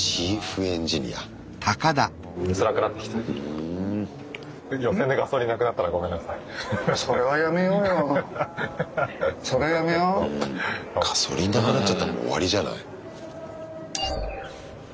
うんガソリンなくなっちゃったらもう終わりじゃない。